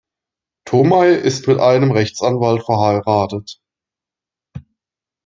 Tomei ist mit einem Rechtsanwalt verheiratet.